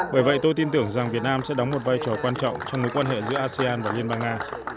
bởi vậy tôi tin tưởng rằng việt nam sẽ đóng một vai trò quan trọng trong mối quan hệ giữa asean và liên bang nga